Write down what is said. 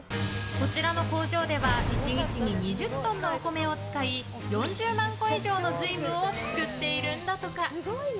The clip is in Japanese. こちらの工場では１日に２０トンのお米を使い４０万個以上の瑞夢を作っているんだとか。